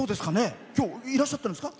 今日いらっしゃってるんですか？